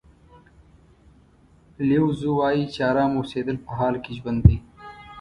لیو زو وایي چې ارامه اوسېدل په حال کې ژوند دی.